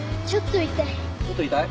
ちょっと痛い。